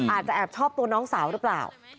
อาจจะแอบชอบตัวน้องสาวหรือเปล่า